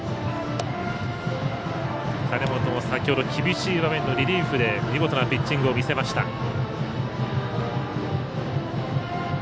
金本も先ほど厳しい場面のリリーフで見事なピッチングを見せました。